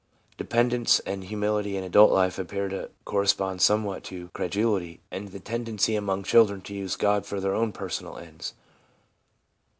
Dependence and humility in adult life appear to correspond somewhat to credulity and the tendency among children to use God for their own personal ends.